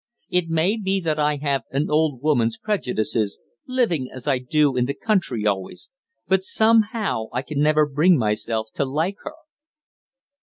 It may be that I have an old woman's prejudices, living as I do in the country always, but somehow I can never bring myself to like her."